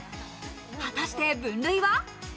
果たして分類は？